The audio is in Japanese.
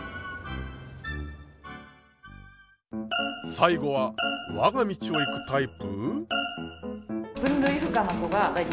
最後はわが道を行くタイプ？